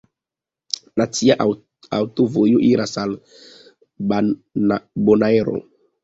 Nacia aŭtovojo iras al Bonaero.